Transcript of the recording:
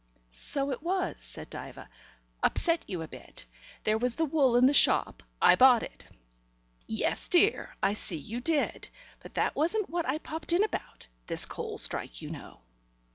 "So it was," said Diva. "Upset you a bit. There was the wool in the shop. I bought it." "Yes, dear; I see you did. But that wasn't what I popped in about. This coal strike, you know."